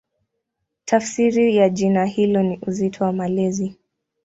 Tafsiri ya jina hilo ni "Uzito wa Malezi".